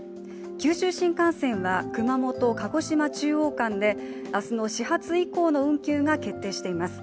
九州新幹線は熊本−鹿児島中央間で明日の始発以降の運休が決定しています。